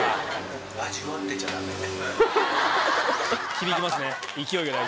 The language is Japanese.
響きますね。